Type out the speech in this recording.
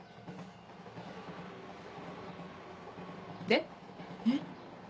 で？えっ？